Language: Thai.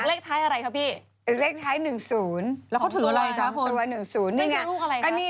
แล้วเลขท้ายอะไรคะพี่